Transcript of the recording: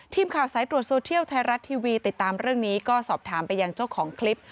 ทีมข่าวสายตรวจโซเทียลไทยรัฐทีวีติดตามเรื่องนี้ก็สอบถามไปยังเจ้าของคลิป